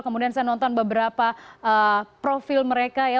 kemudian saya nonton beberapa profil mereka ya